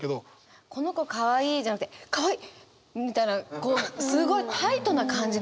「この子かわいい」じゃなくて「かわいい！」みたいなこうすごいタイトな感じ。